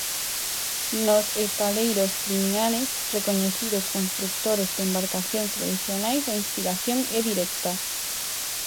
Nos Estaleiros Triñanes, recoñecidos construtores de embarcacións tradicionais, a inspiración é directa.